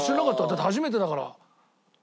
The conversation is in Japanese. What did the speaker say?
だって初めてだから。